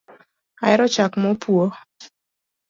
Ahero chak mopwo